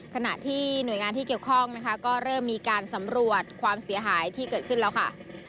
ขณะที่หน่วยงานที่เกี่ยวข้องนะคะก็เริ่มมีการสำรวจความเสียหายที่เกิดขึ้นแล้วค่ะ